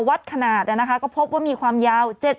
วัดขนาดนะคะก็พบว่ามีความยาว